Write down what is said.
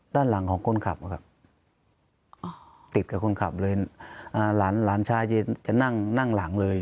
ด้านหลังของคนขับติดกับคนขับเลยหลานชายจะนั่งนั่งหลังเลย